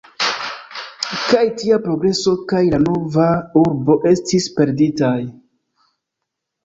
Kaj tia progreso kaj la nova urbo estis perditaj.